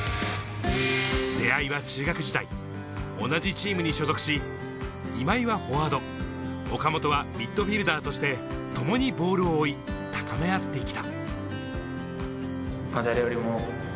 出会いは中学時代、同じチームに所属し、今井はフォワード、岡本はミッドフィルダーとして、共にボールを追い、高め合ってきた。